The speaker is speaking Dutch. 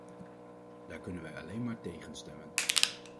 Daar kunnen wij alleen maar tegen stemmen.